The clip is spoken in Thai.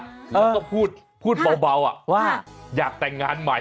ต้องพูดพูดเบาอยากแต่งงานใหม่